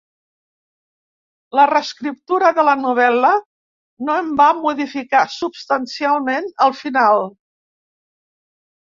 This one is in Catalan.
La reescriptura de la novel·la no en va modificar substancialment el final.